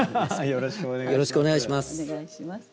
よろしくお願いします。